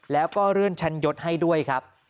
แล้วก็เลื่อนชั้นยศให้ด้วยครับ